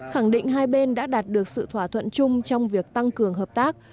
khẳng định hai bên đã đạt được sự thỏa thuận chung trong việc tăng cường hợp tác